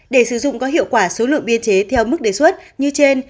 để sử dụng có hiệu quả số lượng biên chế theo mức đề xuất như trên